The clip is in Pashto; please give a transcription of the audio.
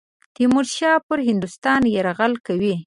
تیمورشاه پر هندوستان یرغل کوي.